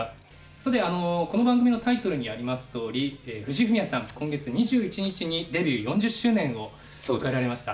さて、この番組のタイトルにありますとおり藤井フミヤさん、今月２１日にデビュー４０周年を迎えられました。